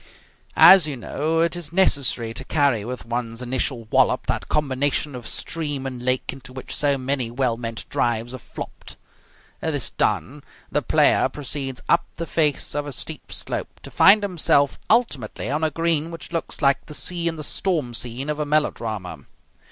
As you know, it is necessary to carry with one's initial wallop that combination of stream and lake into which so many well meant drives have flopped. This done, the player proceeds up the face of a steep slope, to find himself ultimately on a green which looks like the sea in the storm scene of a melodrama.